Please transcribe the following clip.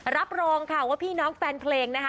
รับรองค่ะว่าพี่น้องแฟนเพลงนะคะ